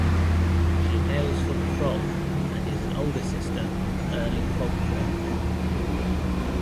She hails from Frol and is an older sister of Erling Folkvord.